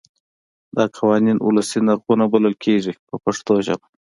دا قوانین ولسي نرخونه بلل کېږي په پښتو ژبه.